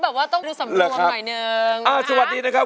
กว่าจะจบรายการเนี่ย๔ทุ่มมาก